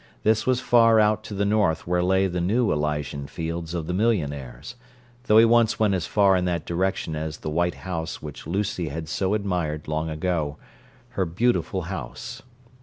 This was far out to the north where lay the new Elysian Fields of the millionaires, though he once went as far in that direction as the white house which Lucy had so admired long ago—her "Beautiful House."